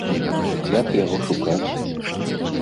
А як яго шукаць?